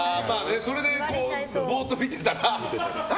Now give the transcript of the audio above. それでぼーっと見てたら何？